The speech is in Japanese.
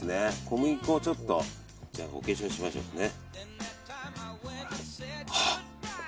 小麦粉をちょっとお化粧しましょうね。